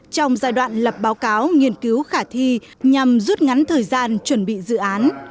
trong giai đoạn lập báo cáo nghiên cứu khả thi nhằm rút ngắn thời gian chuẩn bị dự án